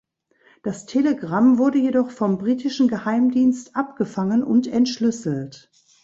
Das Telegramm wurde jedoch vom britischen Geheimdienst abgefangen und entschlüsselt.